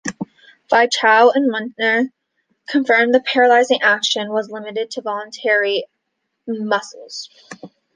Virchow and Munter confirmed the paralyzing action was limited to voluntary muscles.